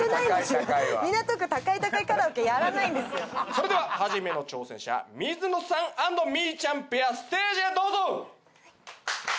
それでは初めの挑戦者水野さん＆みーちゃんペアステージへどうぞ！